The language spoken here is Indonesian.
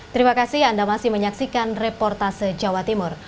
terima kasih anda masih menyaksikan reportase jawa timur